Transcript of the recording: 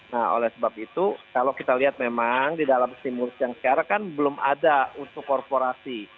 nah oleh sebab itu kalau kita lihat memang di dalam stimulus yang sekarang kan belum ada untuk korporasi